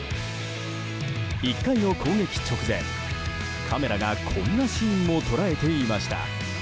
１回の攻撃直前、カメラがこんなシーンも捉えていました。